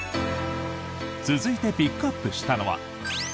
続いてピックアップしたのは。